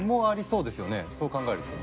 そう考えると。